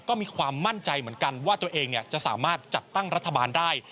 ก็มีความมั่นใจเหมือนกันว่าตัวเองจะสามารถจัดตั้งรัฐบาลได้